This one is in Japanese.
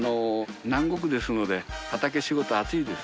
南国ですので畑仕事暑いです。